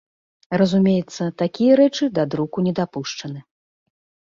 Разумеецца, такія рэчы да друку не дапушчаны.